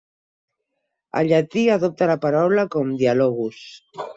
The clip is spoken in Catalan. El llatí adopta la paraula com "Dialogus".